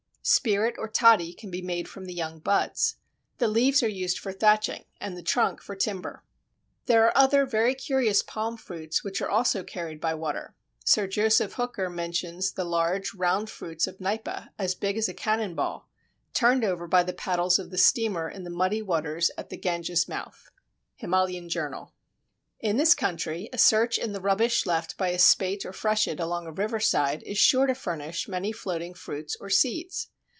Spirit or toddy can be made from the young buds. The leaves are used for thatching and the trunk for timber. There are other very curious palm fruits which are also carried by water. Sir Joseph Hooker mentions the large, round fruits of Nipa, as big as a cannon ball, turned over by the paddles of the steamer in the muddy waters at the Ganges mouth (Himalayan Journal). In this country a search in the rubbish left by a spate or freshet along a riverside is sure to furnish many floating fruits or seeds.